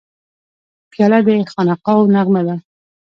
پیاله د خانقاهو نغمه ده.